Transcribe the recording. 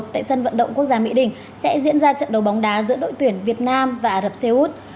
tại sân vận động quốc gia mỹ đình sẽ diễn ra trận đấu bóng đá giữa đội tuyển việt nam và ả rập xê út